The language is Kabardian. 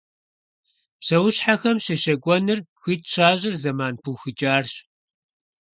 Псэущхьэхэм щещэкӀуэныр хуит щащӀыр зэман пыухыкӀарщ.